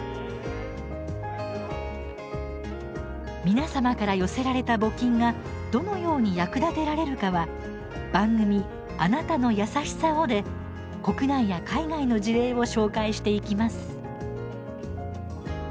皆様から寄せられた募金がどのように役立てられるかは番組「あなたのやさしさを」で国内や海外の事例を紹介していきます。